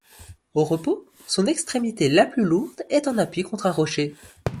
Au repos, son extrémité la plus lourde est en appui contre un rocher.